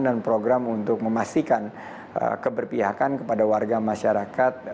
dan program untuk memastikan keberpihakan kepada warga masyarakat